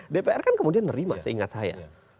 dpr kan kemudian nerima seingat saya